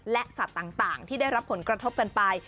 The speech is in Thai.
และสัตว์ต่างที่ได้รับผลกระทบกันไป